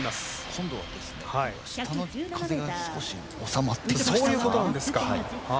今度はですね、下の風が少し収まってきました。